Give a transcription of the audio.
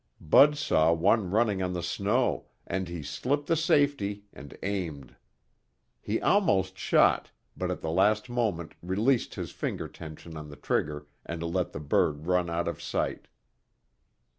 Bud saw one running on the snow, and he slipped the safety and aimed. He almost shot, but at the last moment released his finger tension on the trigger and let the bird run out of sight.